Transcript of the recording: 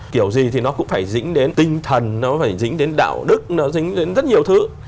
kiểu gì thì nó cũng phải dính đến tinh thần nó phải dính đến đạo đức nó dính đến rất nhiều thứ